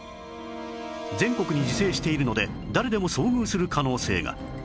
全国に自生しているので誰でも遭遇する可能性が